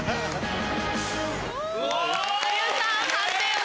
お！